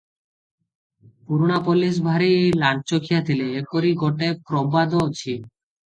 ପୁରୁଣା ପୋଲିସ ଭାରି ଲାଞ୍ଚଖିଆ ଥିଲେ, ଏପରି ଗୋଟାଏ ପ୍ରବାଦ ଅଛି ।